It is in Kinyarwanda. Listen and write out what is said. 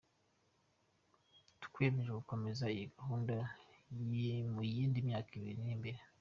Twiyemeje gukomeza iyi gahunda mu yindi myaka iri imbere”.